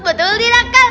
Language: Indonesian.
betul tidak kak